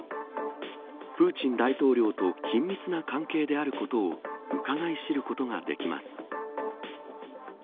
プーチン大統領と緊密な関係であることをうかがい知ることができます。